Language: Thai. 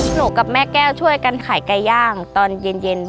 หนูกับแม่แก้วช่วยกันขายไก่ย่างตอนเย็น